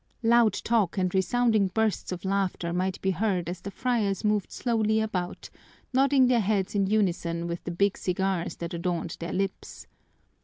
Loud talk and resounding bursts of laughter might be heard as the friars moved slowly about, nodding their heads in unison with the big cigars that adorned their lips.